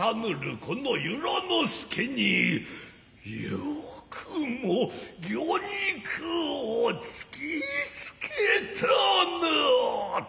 この由良之助によくも魚肉をつきつけたな。